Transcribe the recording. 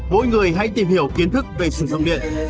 mỗi người hãy tìm hiểu kiến thức về sử dụng điện